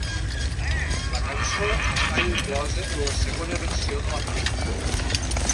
La cançó està inclosa en la segona versió de la pel·lícula.